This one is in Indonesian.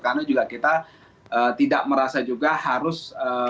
karena kita tidak merasa juga harus